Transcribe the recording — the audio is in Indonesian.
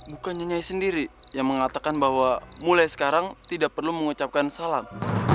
bukan nyanyi sendiri yang mengatakan bahwa mulai sekarang tidak perlu mengucapkan salam